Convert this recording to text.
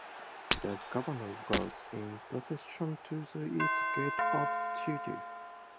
The governor goes in procession to the east gate of the city.